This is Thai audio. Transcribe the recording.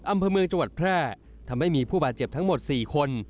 อำเภอเมืองจังหวัดแพร่ทำให้มีผู้บาดเจ็บทั้งหมด๔คน